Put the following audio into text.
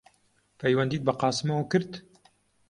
پەیوەندیت بە قاسمەوە کرد؟